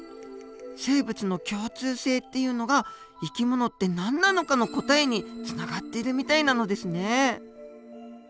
生物の共通性っていうのが「生き物って何なのか」の答えにつながっているみたいなのですね。